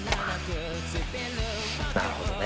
なるほどね。